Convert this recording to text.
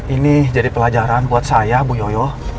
ini jadi pelajaran buat saya bung yoyo